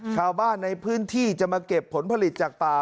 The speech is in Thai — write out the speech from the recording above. ชาวบ้านในพื้นที่จะมาเก็บผลผลิตจากป่า